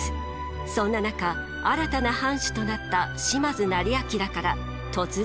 そんな中新たな藩主となった島津斉彬から突然の申し出が。